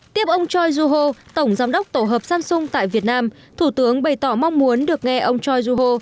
tiếp ông choi joo ho tổng giám đốc tổ hợp samsung tại việt nam thủ tướng bày tỏ mong muốn được nghe ông choi joo ho